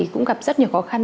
cũng gặp rất nhiều khó khăn